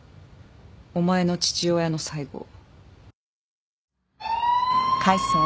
お前の父親の最期を。